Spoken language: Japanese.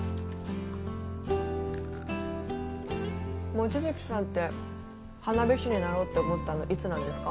望月さんって花火師になろうって思ったのいつなんですか？